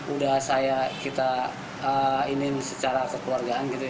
udah saya kita ini secara kekeluargaan gitu